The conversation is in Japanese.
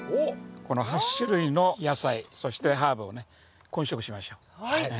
この８種類の野菜そしてハーブをね混植しましょう。